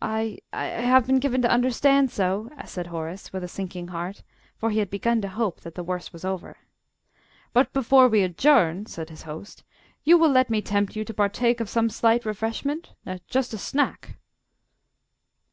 "I I have been given to understand so," said Horace, with a sinking heart for he had begun to hope that the worst was over. "But before we adjourn," said his host, "you will let me tempt you to partake of some slight refreshment just a snack?"